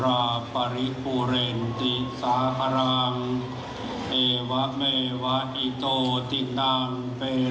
ถือว่าชีวิตที่ผ่านมายังมีความเสียหายแก่ตนและผู้อื่น